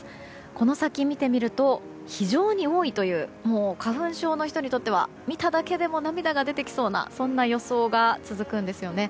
この先見てみると非常に多いという花粉症の人にとっては見ただけでも涙が出てきそうなそんな予想が続くんですよね。